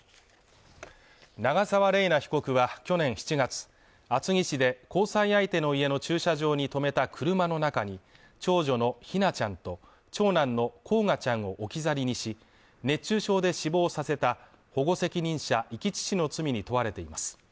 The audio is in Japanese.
長沢麗奈被告は去年７月、厚木市で交際相手の家の駐車場に止めた車の中に長女の姫椰ちゃんと長男の煌翔ちゃんを置き去りにし、熱中症で死亡させた保護責任者遺棄致死の罪に問われています。